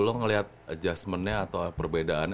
lu ngelihat adjustment nya atau perbedaan